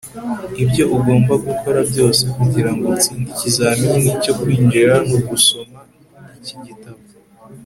ibyo ugomba gukora byose kugirango utsinde ikizamini cyo kwinjira ni ugusoma iki gitabo